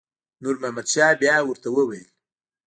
نور محمد شاه بیا ورته وویل.